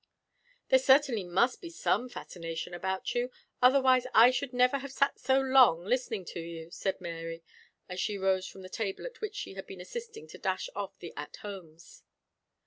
"There certainly must be some fascination about you, otherwise I should never have sat so long listening to you," said Mary, as she rose from the table at which she had been assisting to dash off the at homes.